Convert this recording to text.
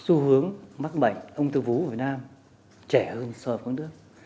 thì có vẻ xu hướng mắc bệnh ung thư vú ở việt nam trẻ hơn so với các nước